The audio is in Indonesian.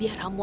ya udah yuk